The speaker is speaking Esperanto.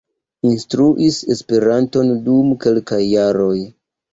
Instruis Esperanton dum kelkaj jaroj.